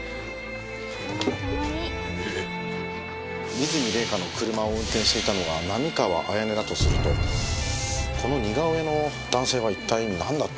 和泉礼香の車を運転していたのが並河彩音だとするとこの似顔絵の男性は一体なんだったんですかね？